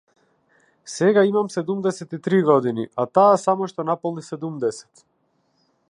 Сега имам седумдесет и три години, а таа само што наполни седумдесет.